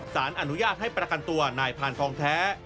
สารอนุญาตให้ประกันตัวนายพานทองแท้